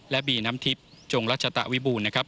และบีน้ำทิพย์จงรัชตะวิบูรณ์นะครับ